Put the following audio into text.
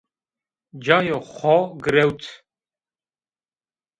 Cayê xo girewt